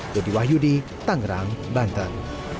yudi wahyudi tangerang banten